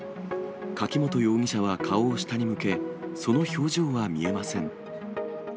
柿本容疑者は顔を下に向け、その表情は見えません。